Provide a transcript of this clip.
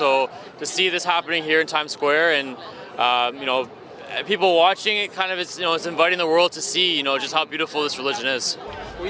jadi melihat ini berlaku di times square dan orang yang menonton ini mengajak dunia untuk melihat seberapa indah ini